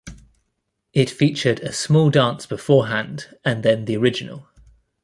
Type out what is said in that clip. It featured a small dance before hand and then the original.